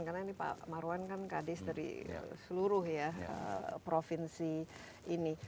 karena ini pak marwan kan kadis dari seluruh ya provinsi ini